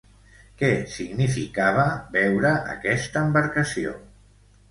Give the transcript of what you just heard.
Què significava, veure aquesta embarcació?